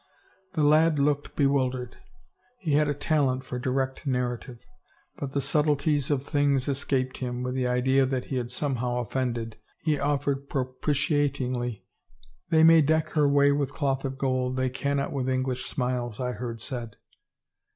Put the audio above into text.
The lad looked bewildered. He had a talent for direct i)arrative, but the subtilities of things escaped him. With the idea that he had somehow oifended, he of fered propitiatingly, *' They may deck her way with cloth of gold, they cannot with English smiles, I heard said."